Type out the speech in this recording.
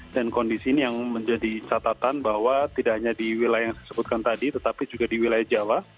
dan kondisi ini yang menjadi catatan bahwa tidak hanya di wilayah yang saya sebutkan tadi tetapi juga di wilayah jawa